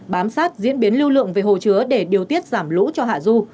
bám sát diễn biến lưu lượng về hồ chứa để điều tiết giảm lũ cho hạ du